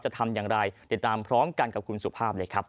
ทำอย่างไรติดตามพร้อมกันกับคุณสุภาพเลยครับ